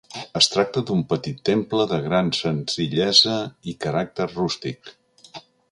Es tracta d'un petit temple de gran senzillesa i caràcter rústic.